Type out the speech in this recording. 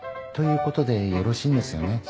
ということでよろしいんですよね？